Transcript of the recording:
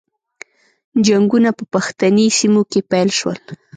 جنګونه په پښتني سیمو کې پیل شول.